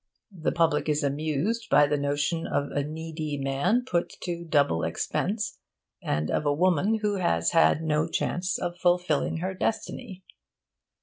The public is amused by the notion of a needy man put to double expense, and of a woman who has had no chance of fulfilling her destiny.